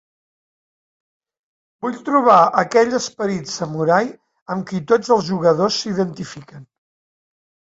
Vull trobar aquell "Esperit Samurai" amb qui tots els jugadors s'identifiquen.